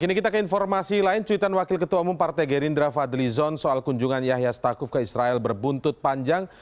kini kita ke informasi lain cuitan wakil ketua umum partai gerindra fadli zon soal kunjungan yahya stakuf ke israel berbuntut panjang